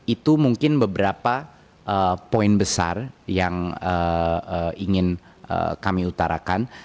itu mungkin beberapa poin besar yang ingin kami utarakan